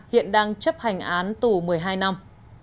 hiện đang chấp hành án tù một mươi hai năm